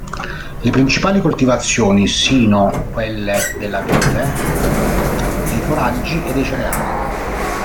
Le principali coltivazioni sino quelle della vite, dei foraggi e dei cereali.